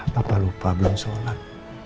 papa lupa belum sholat